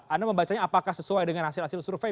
anda membacanya apakah sesuai dengan hasil hasil survei